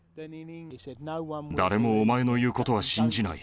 誰もお前の言うことは信じない。